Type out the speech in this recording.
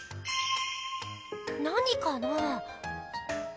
何かなぁ？